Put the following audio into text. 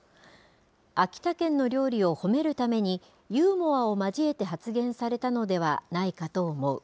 秋田県の料理を褒めるためにユーモアを交えて発言されたのではないかと思う。